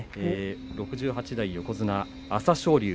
６８代横綱朝青龍